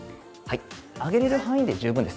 上げれる範囲で十分です。